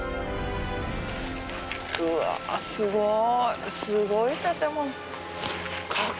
うわぁすごい。